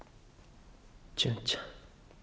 純ちゃん。